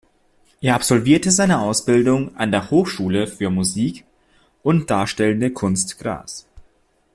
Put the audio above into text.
Er absolvierte seine Ausbildung an der Hochschule für Musik und darstellende Kunst Graz.